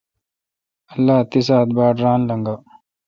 اللہ تی ساعت باٹ رل لنگہ۔